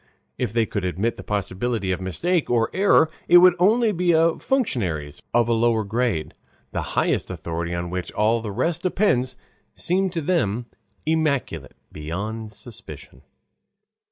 If they could admit the possibility of mistake or error, it would only be in functionaries of a lower grade; the highest authority on which all the rest depends seems to them immaculate beyond suspicion.